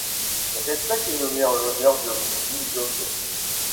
Cette espèce est nommée en l'honneur de Rudy Jocqué.